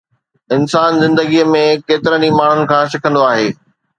انسان زندگيءَ ۾ ڪيترن ئي ماڻهن کان سکندو آهي